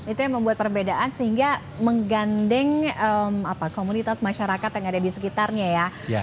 itu yang membuat perbedaan sehingga menggandeng komunitas masyarakat yang ada di sekitarnya ya